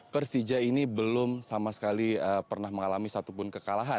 persija ini belum sama sekali pernah mengalami satupun kekalahan